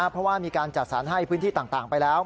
เพราะว่ามีการจัดสรรให้พื้นที่ต่างไปแล้ว